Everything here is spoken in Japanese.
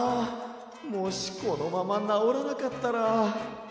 もしこのままなおらなかったら。